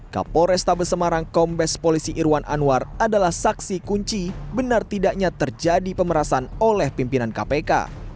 kapol restabes semarang kombes polisi irwan anwar adalah saksi kunci benar tidaknya terjadi pemerasan oleh pimpinan kpk